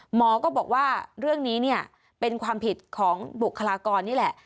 หมอก็บอกว่าเรื่องนี้เนี่ยเป็นความผิดของบุคลากรนี่แหละ